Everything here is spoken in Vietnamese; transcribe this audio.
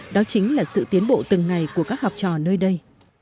đó chính là sự tiến bộ từng ngày của các học trò nơi đây